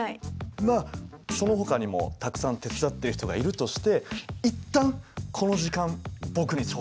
まあそのほかにもたくさん手伝っている人がいるとして一旦この時間僕に頂戴。